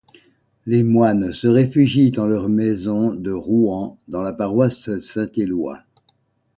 Les moines se réfugient en leur maison de Rouen, dans la paroisse Saint-Éloi.